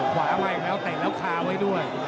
มาอีกแล้วเตะแล้วคาไว้ด้วย